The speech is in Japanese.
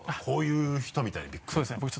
「こういう人みたいにビッグな」